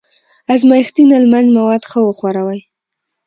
د ازمایښتي نل منځ مواد ښه وښوروئ.